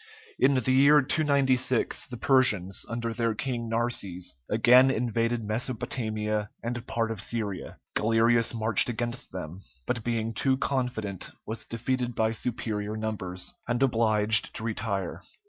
In the year 296, the Persians, under their king Narses, again invaded Mesopotamia and part of Syria. Galerius marched against them, but being too confident was defeated by superior numbers, and obliged to retire.